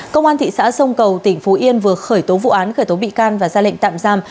công an thị xã sông cầu tỉnh phú yên vừa khởi tố vụ án khởi tố bị can và ra lệnh tạm giam